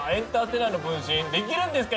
できるんですか